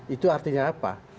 itu artinya apa